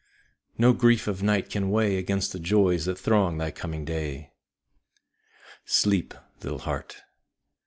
No grief of night can weigh Against the joys that throng thy coming day. Sleep, little heart!